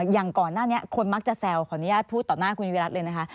อย่างก่อนหน้านี้คนมักจะแซวขออนุญาตพูดต่อหน้าคุณวิรัติเลยนะคะ